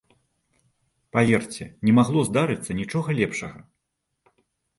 Паверце, не магло здарыцца нічога лепшага!